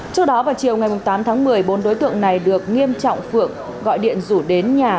trước đó vào chiều ngày tám tháng một mươi bốn đối tượng này được nghiêm trọng phượng gọi điện rủ đến nhà